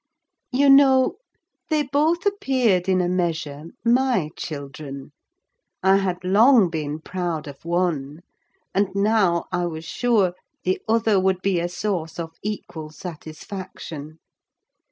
You know, they both appeared in a measure my children: I had long been proud of one; and now, I was sure, the other would be a source of equal satisfaction.